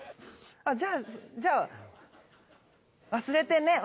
あっじゃあじゃあ忘れてねっ！